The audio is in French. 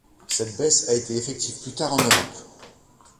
Cette baisse a été effective plus tard en Europe.